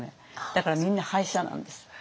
だからみんな敗者なんです。